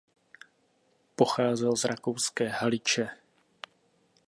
Pocházel z rakouské Haliče.